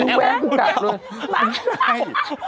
อุ้ยแว้งกูกลับด้วย